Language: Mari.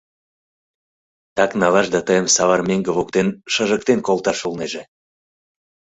Так налаш да тыйым савар меҥге воктен шыжыктен колташ улнеже!